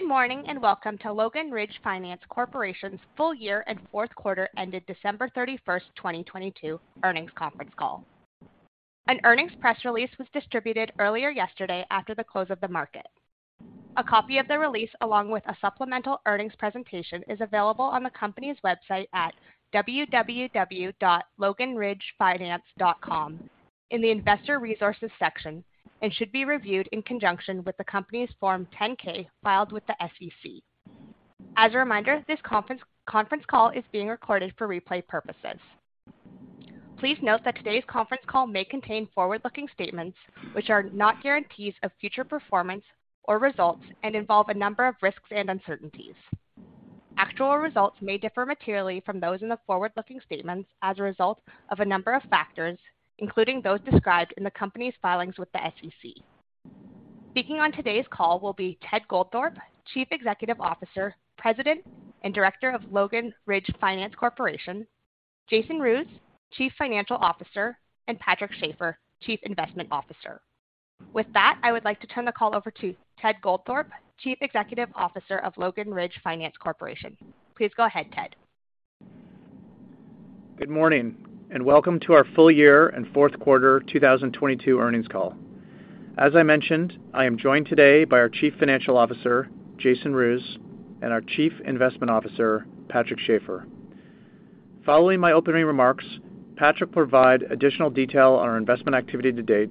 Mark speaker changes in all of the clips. Speaker 1: Good morning, and welcome to Logan Ridge Finance Corporation's Full Year and Fourth Quarter ended December 31st, 2022 Earnings Conference Call. An earnings press release was distributed earlier yesterday after the close of the market. A copy of the release, along with a supplemental earnings presentation, is available on the company's website at www.loganridgefinance.com in the Investor Resources section and should be reviewed in conjunction with the company's Form 10-K filed with the SEC. As a reminder, this conference call is being recorded for replay purposes. Please note that today's conference call may contain forward-looking statements which are not guarantees of future performance or results and involve a number of risks and uncertainties. Actual results may differ materially from those in the forward-looking statements as a result of a number of factors, including those described in the company's filings with the SEC. Speaking on today's call will be Ted Goldthorpe, Chief Executive Officer, President, and Director of Logan Ridge Finance Corporation, Jason Roos, Chief Financial Officer, and Patrick Schafer, Chief Investment Officer. I would like to turn the call over to Ted Goldthorpe, Chief Executive Officer of Logan Ridge Finance Corporation. Please go ahead, Ted.
Speaker 2: Good morning, welcome to our Full Year and Fourth Quarter 2022 Earnings Call. As I mentioned, I am joined today by our Chief Financial Officer, Jason Roos, and our Chief Investment Officer, Patrick Schafer. Following my opening remarks, Patrick will provide additional detail on our investment activity to date,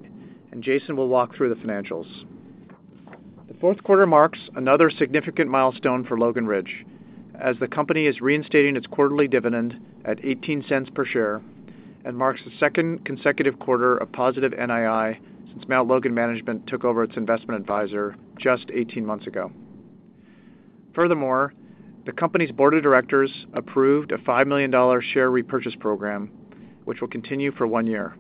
Speaker 2: and Jason will walk through the financials. The fourth quarter marks another significant milestone for Logan Ridge as the company is reinstating its quarterly dividend at $0.18 per share and marks the second consecutive quarter of positive NII since Mount Logan Management took over its investment advisor just 18 months ago. Furthermore, the company's board of directors approved a $5 million share repurchase program which will continue for 1 year.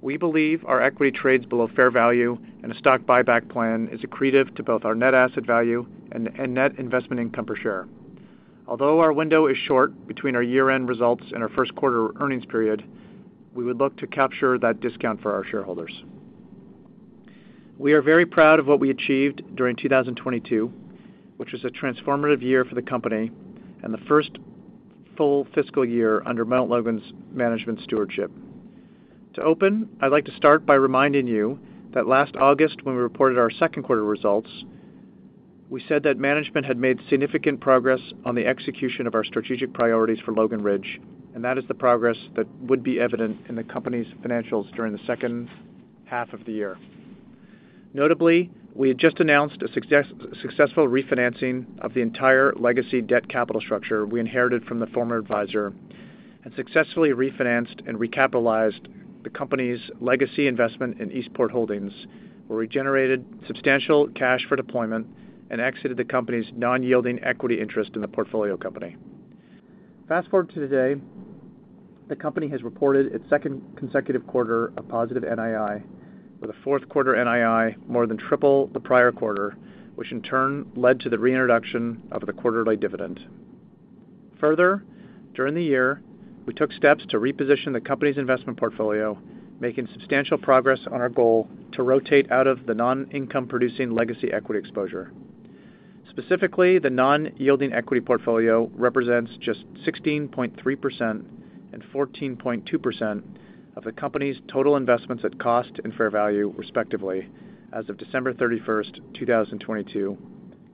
Speaker 2: We believe our equity trades below fair value and a stock buyback plan is accretive to both our net asset value and net investment income per share. Although our window is short between our year-end results and our first quarter earnings period, we would look to capture that discount for our shareholders. We are very proud of what we achieved during 2022, which was a transformative year for the company and the first full fiscal year under Mount Logan's management stewardship. To open, I'd like to start by reminding you that last August, when we reported our second quarter results, we said that management had made significant progress on the execution of our strategic priorities for Logan Ridge, that is the progress that would be evident in the company's financials during the second half of the year. Notably, we had just announced a successful refinancing of the entire legacy debt capital structure we inherited from the former advisor and successfully refinanced and recapitalized the company's legacy investment in Eastport Holdings, where we generated substantial cash for deployment and exited the company's non-yielding equity interest in the portfolio company. Fast-forward to today, the company has reported its second consecutive quarter of positive NII with a fourth quarter NII more than triple the prior quarter, which in turn led to the reintroduction of the quarterly dividend. Further, during the year, we took steps to reposition the company's investment portfolio, making substantial progress on our goal to rotate out of the non-income producing legacy equity exposure. Specifically, the non-yielding equity portfolio represents just 16.3% and 14.2% of the company's total investments at cost and fair value respectively as of December 31st, 2022,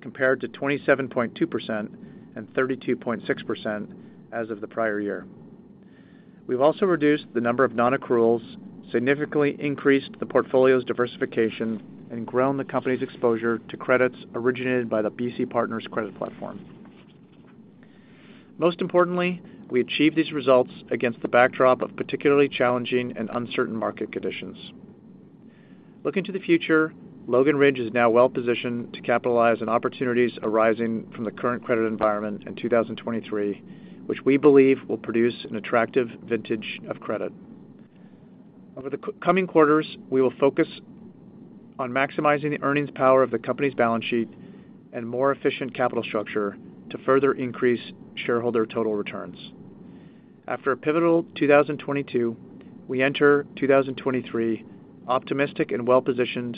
Speaker 2: compared to 27.2% and 32.6% as of the prior year. We've also reduced the number of non-accruals, significantly increased the portfolio's diversification, and grown the company's exposure to credits originated by the BC Partners credit platform. Most importantly, we achieved these results against the backdrop of particularly challenging and uncertain market conditions. Looking to the future, Logan Ridge is now well-positioned to capitalize on opportunities arising from the current credit environment in 2023, which we believe will produce an attractive vintage of credit. Over the coming quarters, we will focus on maximizing the earnings power of the company's balance sheet and more efficient capital structure to further increase shareholder total returns. After a pivotal 2022, we enter 2023 optimistic and well-positioned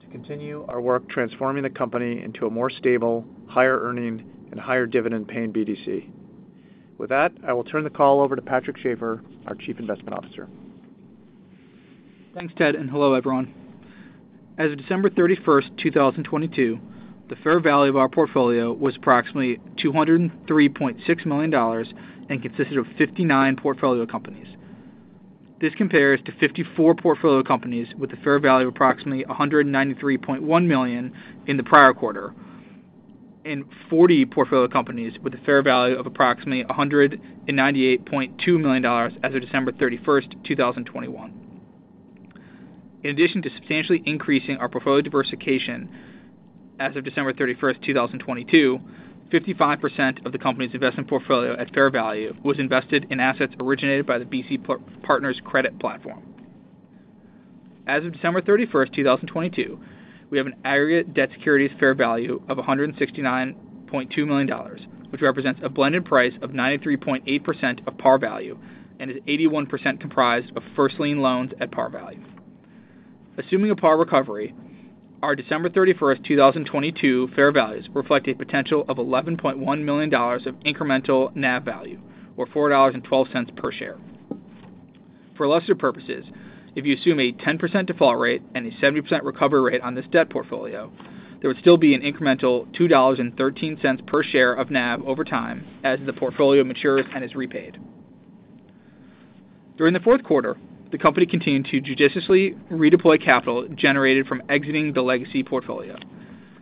Speaker 2: to continue our work transforming the company into a more stable, higher earning and higher dividend paying BDC. With that, I will turn the call over to Patrick Schafer, our Chief Investment Officer.
Speaker 3: Thanks, Ted, and hello, everyone. As of December thirty-first, 2022, the fair value of our portfolio was approximately $203.6 million and consisted of 59 portfolio companies. This compares to 54 portfolio companies with a fair value of approximately $193.1 million in the prior quarter, and 40 portfolio companies with a fair value of approximately $198.2 million as of December 31st, 2021. In addition to substantially increasing our portfolio diversification as of December 31st, 2022, 55% of the company's investment portfolio at fair value was invested in assets originated by the BC Partners credit platform. As of December 31st, 2022, we have an aggregate debt securities fair value of $169.2 million, which represents a blended price of 93.8% of par value and is 81% comprised of first lien loans at par value. Assuming a par recovery, our December 31st, 2022 fair values reflect a potential of $11.1 million of incremental NAV value or $4.12 per share. For illustrative purposes, if you assume a 10% default rate and a 70% recovery rate on this debt portfolio, there would still be an incremental $2.13 per share of NAV over time as the portfolio matures and is repaid. During the fourth quarter, the company continued to judiciously redeploy capital generated from exiting the legacy portfolio.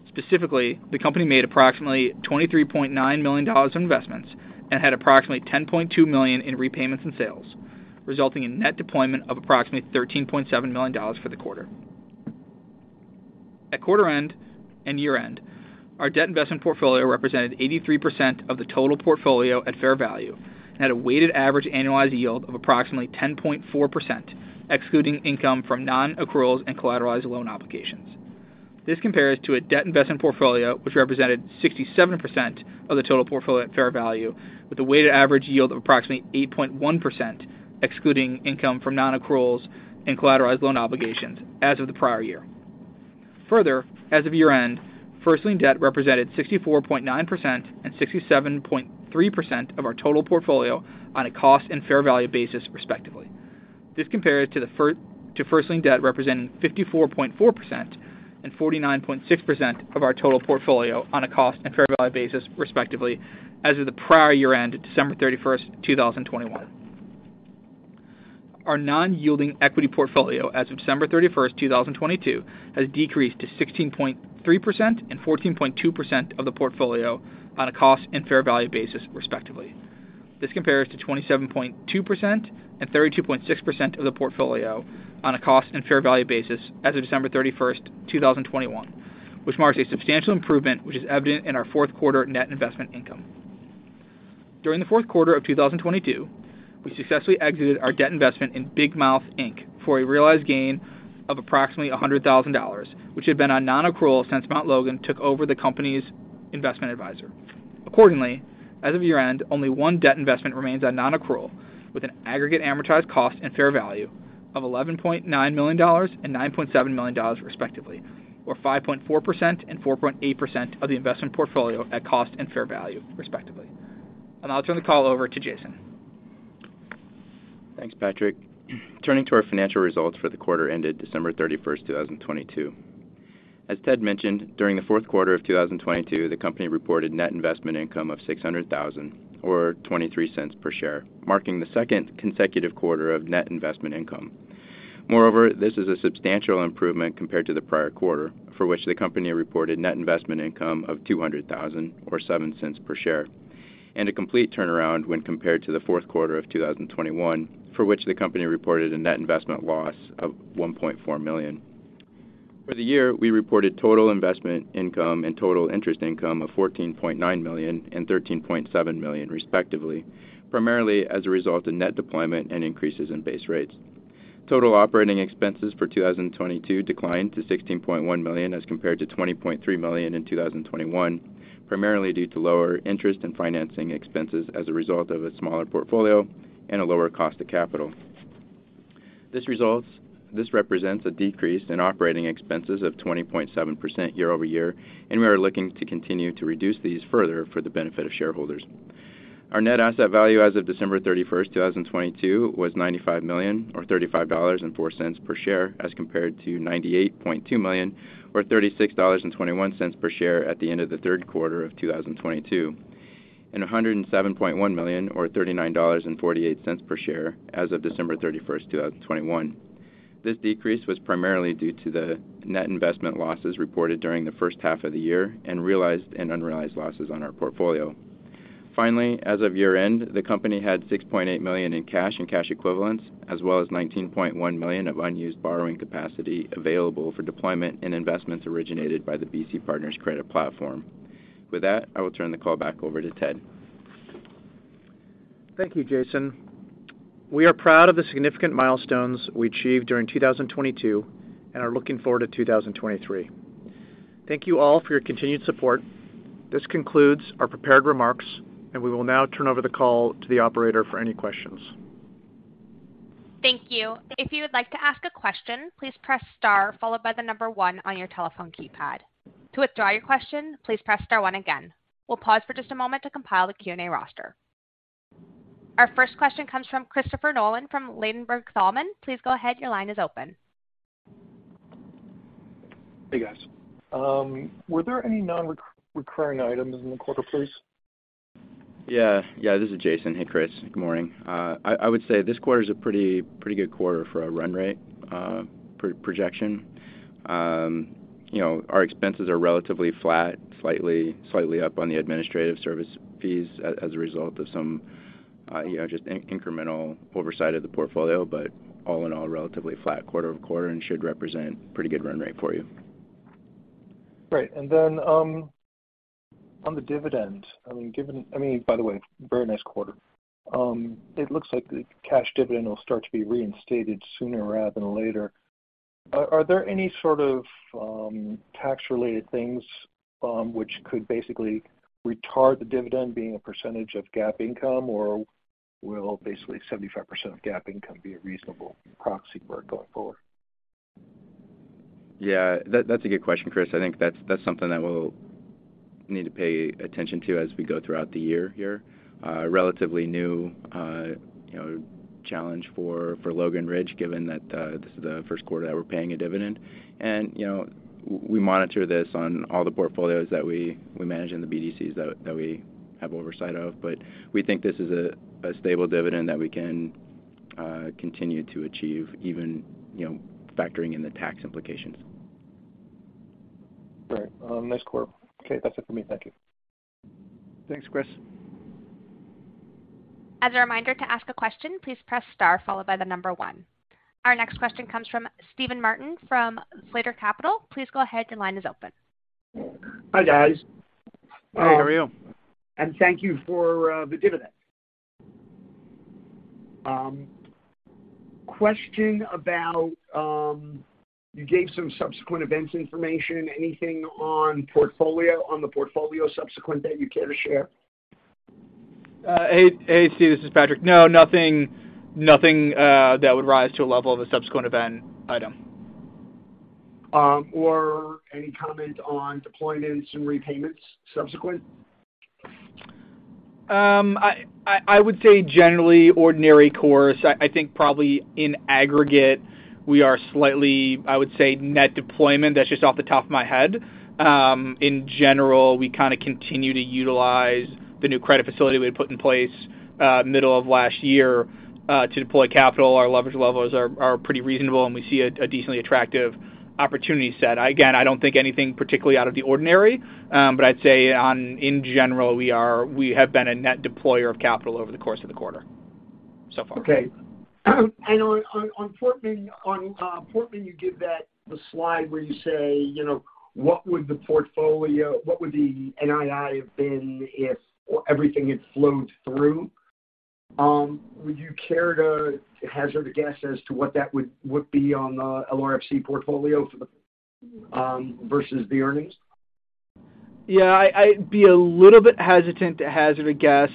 Speaker 3: Specifically, the company made approximately $23.9 million in investments and had approximately $10.2 million in repayments and sales, resulting in net deployment of approximately $13.7 million for the quarter. At quarter end and year end, our debt investment portfolio represented 83% of the total portfolio at fair value and had a weighted average annualized yield of approximately 10.4%, excluding income from non-accruals and collateralized loan obligations. This compares to a debt investment portfolio which represented 67% of the total portfolio at fair value, with a weighted average yield of approximately 8.1%, excluding income from non-accruals and collateralized loan obligations as of the prior year. As of year end, first lien debt represented 64.9% and 67.3% of our total portfolio on a cost and fair value basis, respectively. This compares to first lien debt representing 54.4% and 49.6% of our total portfolio on a cost and fair value basis, respectively, as of the prior year end, December 31, 2021. Our non-yielding equity portfolio as of December 31st, 2022 has decreased to 16.3% and 14.2% of the portfolio on a cost and fair value basis, respectively. This compares to 27.2% and 32.6% of the portfolio on a cost and fair value basis as of December 31st, 2021, which marks a substantial improvement which is evident in our fourth quarter net investment income. During the fourth quarter of 2022, we successfully exited our debt investment in BigMouth Inc. for a realized gain of approximately $100,000, which had been on non-accrual since Mount Logan took over the company's investment advisor. Accordingly, as of year end, only one debt investment remains on non-accrual with an aggregate amortized cost and fair value of $11.9 million and $9.7 million respectively, or 5.4% and 4.8% of the investment portfolio at cost and fair value, respectively. I'll turn the call over to Jason.
Speaker 4: Thanks, Patrick. Turning to our financial results for the quarter ended December 31st, 2022. As Ted mentioned, during the fourth quarter of 2022, the company reported net investment income of $600,000 or $0.23 per share, marking the second consecutive quarter of net investment income. This is a substantial improvement compared to the prior quarter, for which the company reported net investment income of $200,000 or $0.07 per share, and a complete turnaround when compared to the fourth quarter of 2021, for which the company reported a net investment loss of $1.4 million. For the year, we reported total investment income and total interest income of $14.9 million and $13.7 million, respectively, primarily as a result of net deployment and increases in base rates. Total operating expenses for 2022 declined to $16.1 million as compared to $20.3 million in 2021, primarily due to lower interest and financing expenses as a result of a smaller portfolio and a lower cost of capital. This represents a decrease in operating expenses of 20.7% year-over-year, and we are looking to continue to reduce these further for the benefit of shareholders. Our net asset value as of December 31, 2022, was $95 million or $35.04 per share as compared to $98.2 million or $36.21 per share at the end of the third quarter of 2022, and $107.1 million or $39.48 per share as of December 31st, 2021. This decrease was primarily due to the net investment losses reported during the first half of the year and realized and unrealized losses on our portfolio. Finally, as of year end, the company had $6.8 million in cash and cash equivalents, as well as $19.1 million of unused borrowing capacity available for deployment and investments originated by the BC Partners credit platform. With that, I will turn the call back over to Ted.
Speaker 2: Thank you, Jason. We are proud of the significant milestones we achieved during 2022 and are looking forward to 2023. Thank you all for your continued support. This concludes our prepared remarks, and we will now turn over the call to the operator for any questions.
Speaker 1: Thank you. If you would like to ask a question, please press star followed by the number one on your telephone keypad. To withdraw your question, please press star one again. We'll pause for just a moment to compile the Q&A roster. Our first question comes from Christopher Nolan from Ladenburg Thalmann. Please go ahead. Your line is open.
Speaker 5: Hey, guys. Were there any non-recurring items in the quarter, please?
Speaker 4: Yeah, this is Jason. Hey, Chris. Good morning. I would say this quarter is a pretty good quarter for a run rate projection. You know, our expenses are relatively flat, slightly up on the administrative service fees as a result of some, you know, just incremental oversight of the portfolio. All in all, relatively flat quarter-over-quarter and should represent pretty good run rate for you.
Speaker 5: Great. On the dividend, I mean, by the way, very nice quarter. It looks like the cash dividend will start to be reinstated sooner rather than later. Are there any sort of tax-related things which could basically retard the dividend being a percentage of GAAP income or? Will basically 75% of GAAP income be a reasonable proxy for going forward?
Speaker 3: Yeah. That's a good question, Chris. I think that's something that we'll need to pay attention to as we go throughout the year here. Relatively new, you know, challenge for Logan Ridge, given that this is the first quarter that we're paying a dividend. You know, we monitor this on all the portfolios that we manage in the BDCs that we have oversight of, but we think this is a stable dividend that we can continue to achieve even, you know, factoring in the tax implications.
Speaker 5: Right. Nice quarter. Okay, that's it for me. Thank you.
Speaker 2: Thanks, Chris.
Speaker 1: As a reminder to ask a question, please press star followed by the number one. Our next question comes from Steven Martin from Slater Capital. Please go ahead, your line is open.
Speaker 6: Hi, guys.
Speaker 2: Hey, how are you?
Speaker 6: Thank you for the dividend. Question about, you gave some subsequent events information, anything on the portfolio subsequent that you care to share?
Speaker 3: Hey, Steve, this is Patrick. No, nothing that would rise to a level of a subsequent event item.
Speaker 6: Any comment on deployment and some repayments subsequent?
Speaker 3: I would say generally ordinary course. I think probably in aggregate, we are slightly, I would say net deployment. That's just off the top of my head. In general, we kinda continue to utilize the new credit facility we put in place middle of last year to deploy capital. Our leverage levels are pretty reasonable, and we see a decently attractive opportunity set. Again, I don't think anything particularly out of the ordinary. I'd say in general, we have been a net deployer of capital over the course of the quarter so far.
Speaker 6: Okay. on Portman, you give that, the slide where you say, you know, what would the NII have been if everything had flowed through? Would you care to hazard a guess as to what that would be on the LRFC portfolio, versus the earnings?
Speaker 3: Yeah. I'd be a little bit hesitant to hazard a guess,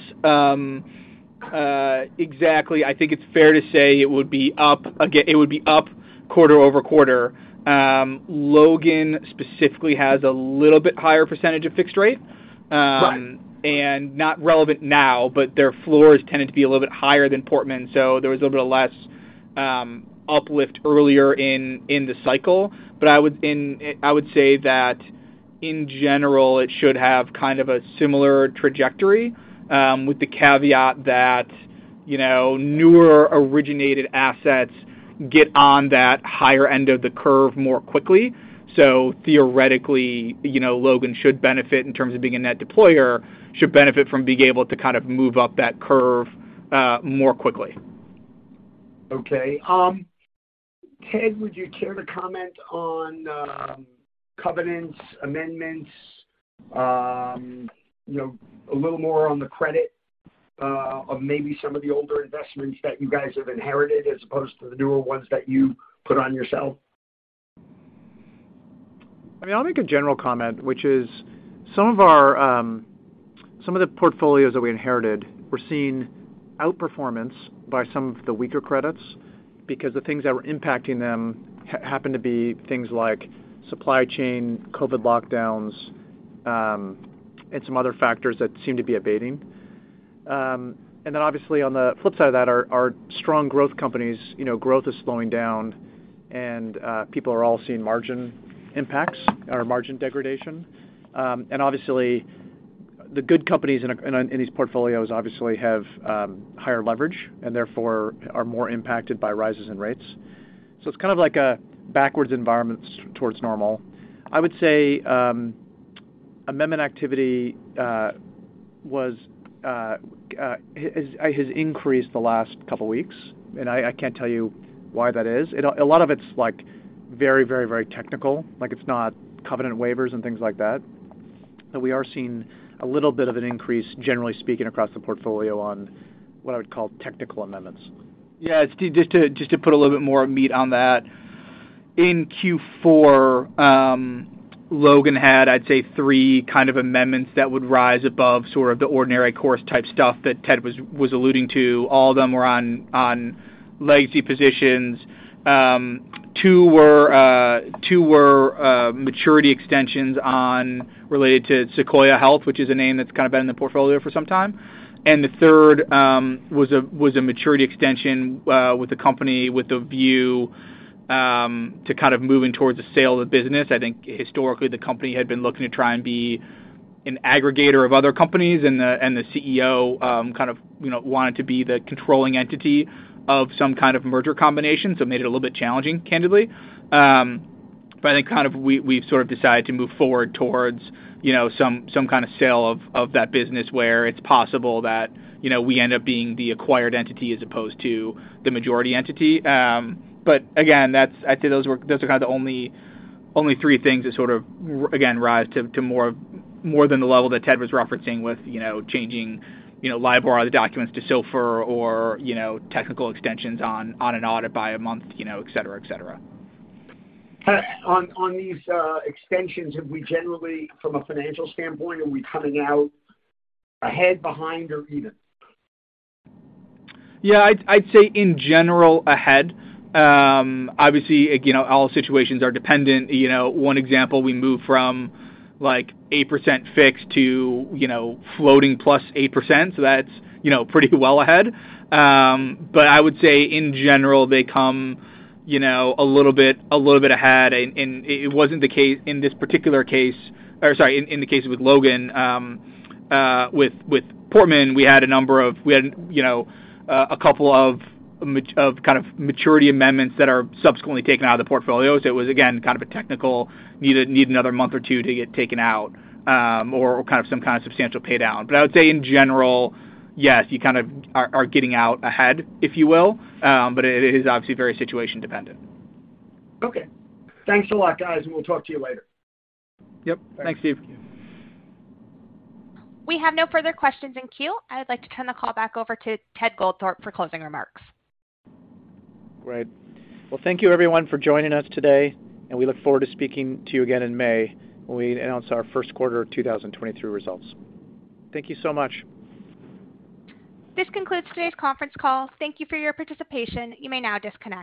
Speaker 3: exactly. I think it's fair to say it would be up quarter-over-quarter. Logan specifically has a little bit higher % of fixed rate.
Speaker 6: Right.
Speaker 3: Not relevant now, but their floors tended to be a little bit higher than Portman, so there was a little bit less uplift earlier in the cycle. I would say that in general, it should have kind of a similar trajectory, with the caveat that, you know, newer originated assets get on that higher end of the curve more quickly. Theoretically, you know, Logan should benefit in terms of being a net deployer, should benefit from being able to kind of move up that curve more quickly.
Speaker 6: Okay. Ted, would you care to comment on covenants, amendments, you know, a little more on the credit of maybe some of the older investments that you guys have inherited as opposed to the newer ones that you put on yourself?
Speaker 2: I mean, I'll make a general comment, which is some of our, some of the portfolios that we inherited were seeing outperformance by some of the weaker credits because the things that were impacting them happen to be things like supply chain, COVID lockdowns, and some other factors that seem to be abating. Obviously on the flip side of that are strong growth companies. You know, growth is slowing down and people are all seeing margin impacts or margin degradation. Obviously, the good companies in these portfolios obviously have higher leverage and therefore are more impacted by rises in rates. It's kind of like a backwards environment towards normal. I would say, amendment activity was has increased the last couple weeks, and I can't tell you why that is. A lot of it's, like, very, very, very technical, like it's not covenant waivers and things like that. We are seeing a little bit of an increase, generally speaking, across the portfolio on what I would call technical amendments.
Speaker 3: Yeah. Steve, just to put a little bit more meat on that. In Q4, Logan had, I'd say, three kind of amendments that would rise above sort of the ordinary course type stuff that Ted was alluding to. All of them were on legacy positions. Two were maturity extensions on related to Sequoia Health, which is a name that's kind of been in the portfolio for some time. The third was a maturity extension with the company, with the view to kind of moving towards the sale of the business. I think historically, the company had been looking to try and be an aggregator of other companies, and the CEO, kind of, you know, wanted to be the controlling entity of some kind of merger combination. It made it a little bit challenging, candidly. I think kind of we've sort of decided to move forward towards, you know, some kinda sale of that business where it's possible that, you know, we end up being the acquired entity as opposed to the majority entity. Again, I'd say those were, those are kind of the only three things that sort of, again, rise to more than the level that Ted was referencing with, you know, changing, you know, LIBOR or other documents to SOFR or, you know, technical extensions on an audit by a month, you know, et cetera, et cetera.
Speaker 6: Ted, on these extensions, have we generally, from a financial standpoint, are we coming out ahead, behind, or even?
Speaker 2: Yeah. I'd say in general ahead. Obviously, like, you know, all situations are dependent. You know, one example, we moved from, like, 8% fixed to, you know, floating plus 8%, so that's, you know, pretty well ahead. I would say in general, they come, you know, a little bit ahead. It wasn't the case in this particular case or sorry, in the case with Logan. With Portman, we had a number of we had, you know, a couple of kind of maturity amendments that are subsequently taken out of the portfolio. It was, again, kind of a technical need another month or two to get taken out, or kind of some kind of substantial pay down.I would say in general, yes, you kind of are getting out ahead, if you will. It is obviously very situation dependent.
Speaker 6: Okay. Thanks a lot, guys, and we'll talk to you later.
Speaker 3: Yep. Thanks, Steve.
Speaker 2: Thanks.
Speaker 1: We have no further questions in queue. I would like to turn the call back over to Ted Goldthorpe for closing remarks.
Speaker 2: Great. Well, thank you everyone for joining us today, and we look forward to speaking to you again in May when we announce our first quarter 2023 results. Thank you so much.
Speaker 1: This concludes today's conference call. Thank you for your participation. You may now disconnect.